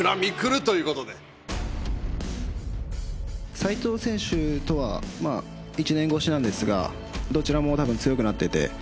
斎藤選手とはまあ１年越しなんですがどちらもたぶん強くなってて。